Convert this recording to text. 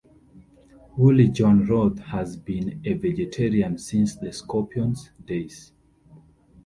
Uli Jon Roth has been a vegetarian since the Scorpions days.